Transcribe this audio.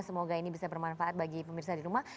semoga ini bisa bermanfaat bagi pemirsa di rumah